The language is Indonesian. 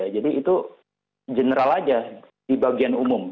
jadi itu general saja di bagian umum